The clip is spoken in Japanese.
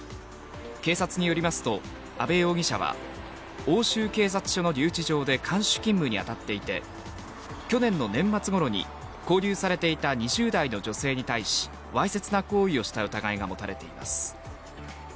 警察によりますと阿部容疑者は欧州警察署の留置場で看守勤務に当たっていて去年の年末ごろに勾留されていた２０代の女性に対しわいせつな行為をした疑いが持たれています。